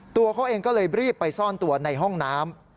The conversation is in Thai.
ตัวเขาเองก็เลยรีบไปซ่อนตัวในห้องน้ำ